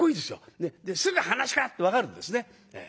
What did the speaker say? すぐ噺家って分かるんですね。